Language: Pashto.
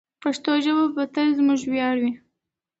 پښتو ژبه به تل زموږ ویاړ وي.